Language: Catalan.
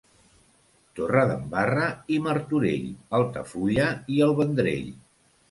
Torredembarra i Martorell, Altafulla i el Vendrell.